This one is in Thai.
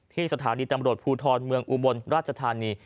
สถานีตำรวจภูทรเมืองอุบลราชธานี